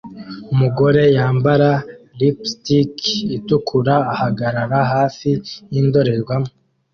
Umugore yambara lipstick itukura ahagarara hafi yindorerwamo